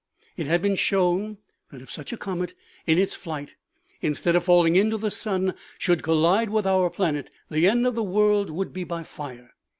It had been shown that if such a comet in its flight, instead of falling into the sun, should collide with our planet, the end of the world would be by fire.